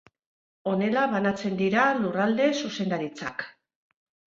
Honela banatzen dira lurralde zuzendaritzak.